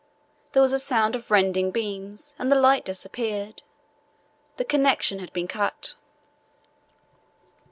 There was a sound of rending beams and the light disappeared. The connexion had been cut.